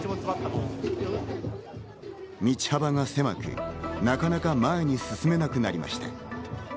道幅が狭く、なかなか前に進めなくなりました。